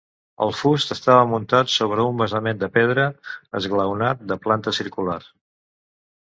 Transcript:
El fust estava muntat sobre un basament de pedra, esglaonat, de planta circular.